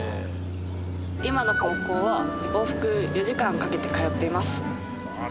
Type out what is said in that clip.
今の高校は往復４時間かけて通っています。